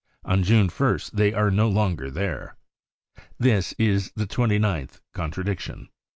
On June 1st they are no longer there. This is the twenty ninth contradiction.